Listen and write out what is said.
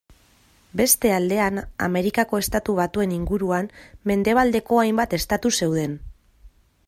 Beste aldean Amerikako Estatu Batuen inguruan mendebaldeko hainbat estatu zeuden.